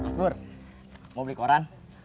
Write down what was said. mas bur mau beli koran